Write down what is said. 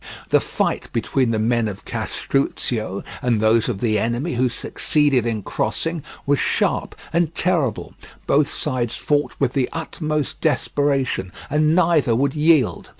The fight between the men of Castruccio and those of the enemy who succeeded in crossing was sharp and terrible; both sides fought with the utmost desperation and neither would yield.